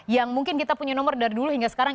yang mungkin kita punya nomor dari dulu hingga sekarang